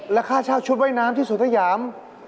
และค่าเช่าชุดว่ายน้ำที่สวนสยาม